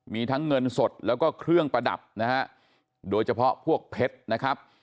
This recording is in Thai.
มีทั้งเงินสดแล้วก็เครื่องประดับนะฮะโดยเฉพาะพวกเพชรนะครับ